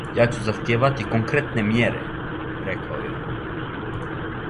"Ја ћу захтијевати конкретне мјере," рекао је он.